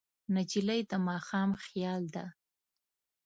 نجلۍ د ماښام خیال ده.